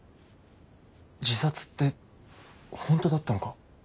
自殺って本当だったのか。